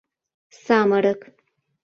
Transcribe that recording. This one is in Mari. Самырык.